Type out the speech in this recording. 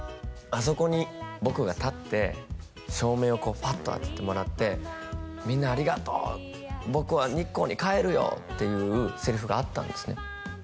あそこに僕が立って照明をこうパッと当ててもらって「みんなありがとう僕は日光に帰るよ」っていうセリフがあったんですね